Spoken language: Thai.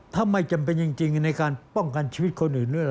ถ้าไม่จำเป็นจริงในการป้องกันชีวิตคนอื่นด้วย